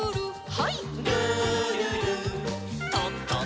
はい。